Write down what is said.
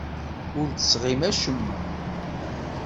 Ur d-tesɣim acemma.